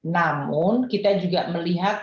namun kita juga melihat